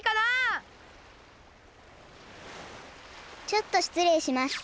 ちょっとしつれいします。